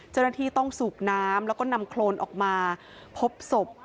เจ้าหน้าที่ต้องสูบน้ำแล้วก็นำโครนออกมาพบศพ